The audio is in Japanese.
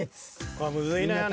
これむずいのよね。